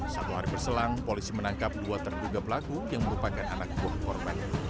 satu hari berselang polisi menangkap dua terduga pelaku yang merupakan anak buah korban